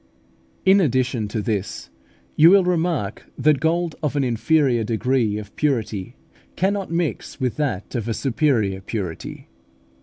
In addition to this, you will remark that gold of an inferior degree of purity cannot mix with that of a superior purity.